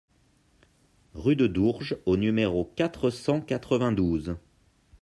Rue de Dourges au numéro quatre cent quatre-vingt-douze